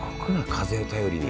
風を頼りに。